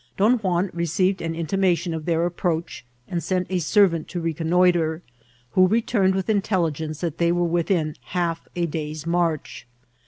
Don Juan re eeived an intimation of their approacdi, and sent a ser Tant to reconnoitre, who returned with intelligenoe that they were within half a day's march.